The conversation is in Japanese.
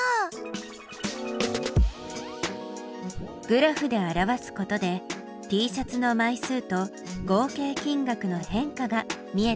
グラフで表すことでＴシャツの枚数と合計金額の変化が見えてきたね。